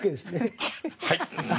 はい！